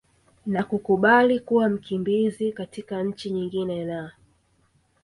na kukubali kuwa mkimbizi katika nchi nyingine na